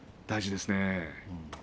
大事ですね。